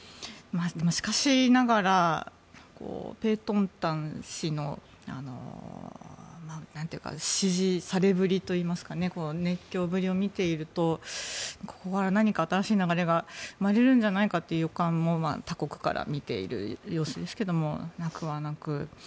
しかしながら、ペートンタン氏の支持されぶりといいますか熱狂ぶりを見ているとここから何か新しい流れが生まれるんじゃないかという予感も他国から見ている様子ですがなくはなく。